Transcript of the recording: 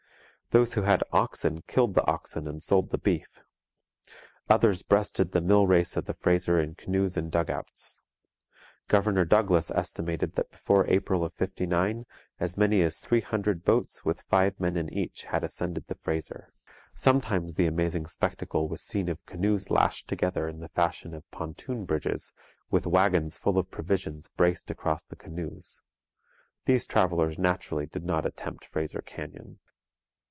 Those who had oxen killed the oxen and sold the beef. Others breasted the mill race of the Fraser in canoes and dugouts. Governor Douglas estimated that before April of '59 as many as three hundred boats with five men in each had ascended the Fraser. Sometimes the amazing spectacle was seen of canoes lashed together in the fashion of pontoon bridges, with wagons full of provisions braced across the canoes. These travellers naturally did not attempt Fraser Canyon.